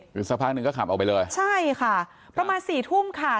คือสักพักหนึ่งก็ขับออกไปเลยใช่ค่ะประมาณสี่ทุ่มค่ะ